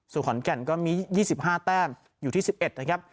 สู่ขอนแก่นก็มียี่สิบห้าแต้มอยู่ที่สิบเอ็ดนะครับ